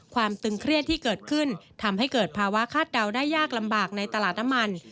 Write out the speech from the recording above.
ตึงเครียดที่เกิดขึ้นทำให้เกิดภาวะคาดเดาได้ยากลำบากในตลาดน้ำมัน